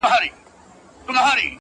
• مطربه ما دي په نغمه کي غزل وپېیله -